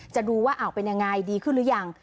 ดูว่าเป็นยังไงดีขึ้นหรือยัง